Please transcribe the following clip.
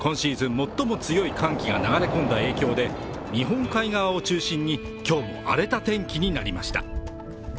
最も強い寒気が流れ込んだ影響で日本海側を中心に今日も荒れた天気になりました。